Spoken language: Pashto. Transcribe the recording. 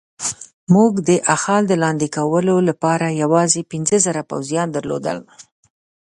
موږ د اخال د لاندې کولو لپاره یوازې پنځه زره پوځیان درلودل.